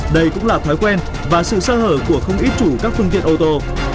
đây cũng là thói quen và sự sơ hở của không ít chủ các phương tiện ô tô